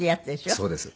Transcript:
そうです。